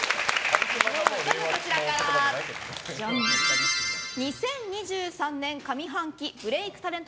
まずは２０２３年上半期ブレイクタレント